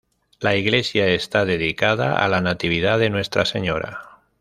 La iglesia está dedicada a la Natividad de Nuestra Señora.